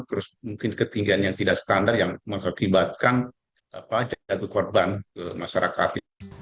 terus mungkin ketinggian yang tidak standar yang mengakibatkan jatuh korban ke masyarakat